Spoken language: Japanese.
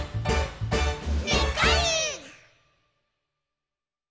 「にっこり！」